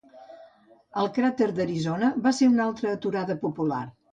El Cràter d'Arizona va ser una altra aturada popular.